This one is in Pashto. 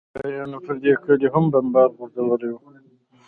امريکايانو پر دې کلي هم بمان غورځولي وو.